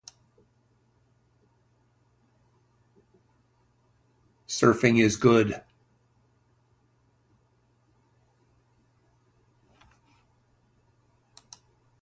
Vairamuthu and Anupam Roy are the most recent winners.